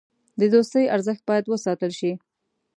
د دوستۍ ارزښت باید وساتل شي.